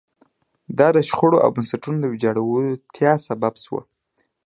دا د شخړو او بنسټونو د ویجاړتیا سبب شوه.